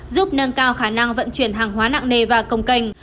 giúp nâng cao khả năng vận chuyển hàng hóa nặng nề và công cành